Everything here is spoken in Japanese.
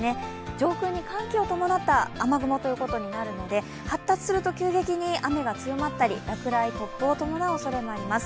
上空に寒気を伴った雨雲ということになるので、発達すると急激に雨が強まったり落雷、突風を伴うおそれもあります。